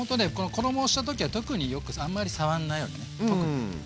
衣をした時は特によくあんまり触んないようにね特に！